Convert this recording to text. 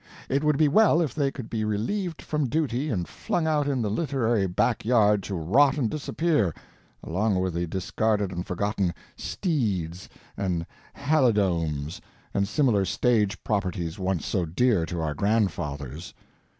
It would be well if they could be relieved from duty and flung out in the literary back yard to rot and disappear along with the discarded and forgotten "steeds" and "halidomes" and similar stage properties once so dear to our grandfathers.